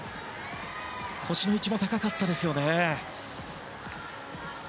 腰の位置も高かったですね。